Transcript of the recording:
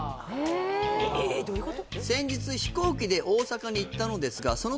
ええどういうこと？